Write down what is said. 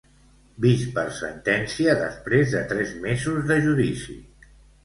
Vist per sentència després de tres mesos de judici.